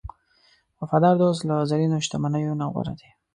وفادار دوست له زرینو شتمنیو نه غوره دی.